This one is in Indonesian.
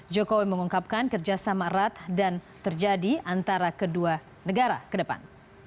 jokowi mengungkapkan kerjasama erat dan terjadi antara kedua negara ke depan